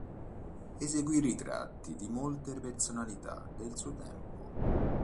Eseguì ritratti di molte personalità del suo tempo.